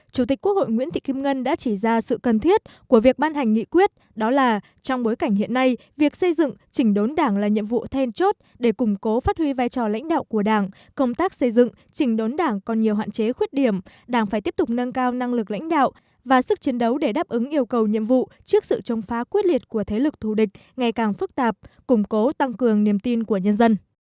chủ tịch quốc hội nguyễn thị kim ngân đã chỉ ra sự cần thiết của việc ban hành nghị quyết đó là trong bối cảnh hiện nay việc xây dựng chỉnh đốn đảng là nhiệm vụ then chốt để củng cố phát huy vai trò lãnh đạo của đảng công tác xây dựng chỉnh đốn đảng còn nhiều hoạn chế khuyết điểm đảng phải tiếp tục nâng cao năng lực lãnh đạo và sức chiến đấu để đáp ứng yêu cầu nhiệm vụ trước sự trông phá quyết liệt của thế lực thù địch ngày càng phức tạp củng cố tăng cường niềm tin của nhân dân